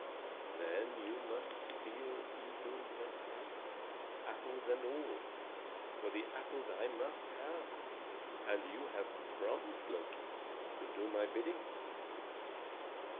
"Then you must steal Idun herself, apples and all. For the apples I must have, and you have promised, Loki, to do my bidding."